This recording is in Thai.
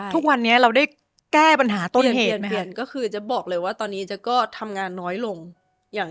เปลี่ยนก็คือจะบอกเลยว่าตอนนี้จะก็ทำงานน้อยลง